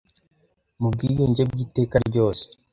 mu bwiyunge bw'iteka ryose